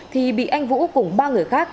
thì bị anh vũ cùng ba người khác